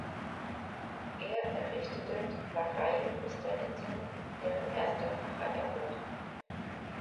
Er errichtete die Pfarrei Osterinsel, deren erster Pfarrer er wurde.